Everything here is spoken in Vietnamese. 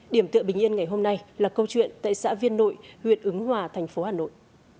điểm tựa bình yên ngày hôm nay là câu chuyện tại xã viên nội huyện ứng hòa thành phố hà nội